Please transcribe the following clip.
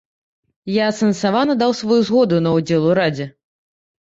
Я асэнсавана даў сваю згоду на ўдзел у радзе.